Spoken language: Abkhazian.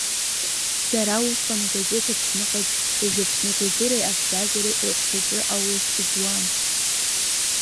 Сара усҟан агазеҭ Аԥсны ҟаԥшь уажәы Аԥсны акультуреи абзазареи рыҟәшаҿы аус зуан.